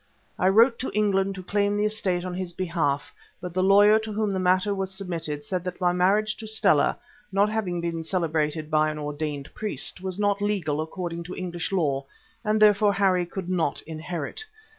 I wrote to England to claim the estate on his behalf, but the lawyer to whom the matter was submitted said that my marriage to Stella, not having been celebrated by an ordained priest, was not legal according to English law, and therefore Harry could not inherit.